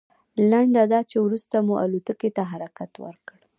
لنډه دا چې وروسته مو الوتکې ته حرکت وکړ.